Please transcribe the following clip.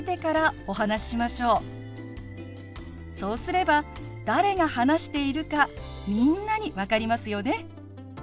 そうすれば誰が話しているかみんなに分かりますよね。